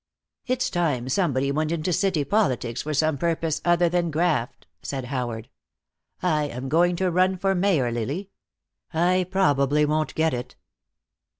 "It's time somebody went into city politics for some purpose other than graft," said Howard. "I am going to run for mayor, Lily. I probably won't get it."